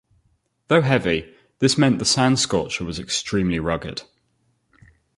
Though heavy, this meant the Sand Scorcher was extremely rugged.